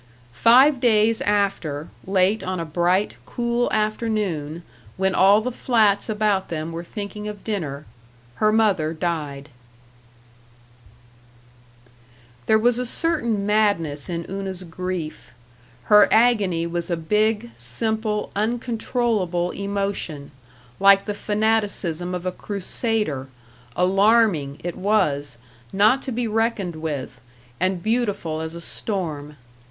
Five days after, late on a bright, cool afternoon, when all the flats about them were thinking of dinner, her mother died. § 8 There was a certain madness in Una's grief. Her agony was a big, simple, uncontrollable emotion, like the fanaticism of a crusader alarming, it was, not to be reckoned with, and beautiful as a storm.